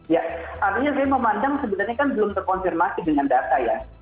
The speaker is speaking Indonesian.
ya artinya saya memandang sebenarnya kan belum terkonfirmasi dengan data ya